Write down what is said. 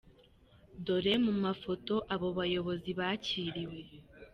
Dore mu mafoto aba bayobozi bakiriwe .